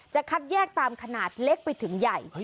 คัดแยกตามขนาดเล็กไปถึงใหญ่